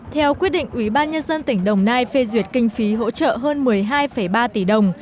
theo quyết định ubnd tỉnh đồng nai phê duyệt kinh phí hỗ trợ hơn một mươi hai ba tỷ đồng